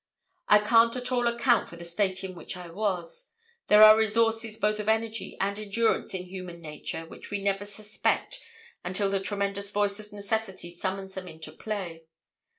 I can't at all account for the state in which I was. There are resources both of energy and endurance in human nature which we never suspect until the tremendous voice of necessity summons them into play.